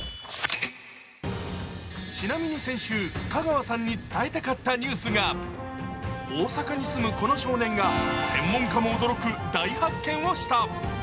ちなみに先週、香川さんに伝えたかったニュースが大阪に住むこの少年が専門家も驚く大発見をした。